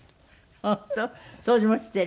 本当？掃除もしてる？